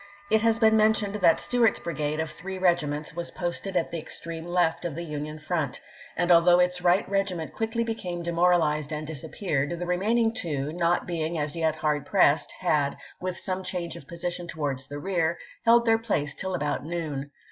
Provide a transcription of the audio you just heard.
It has been mentioned that Stuart's brigade of three regiments was posted at the extreme left of the Union front ; and although its right regiment quickly became de moralized and disappeared, the remaining two, not being as yet hard pressed, had, with some change of position towards the rear, held their place till about noon.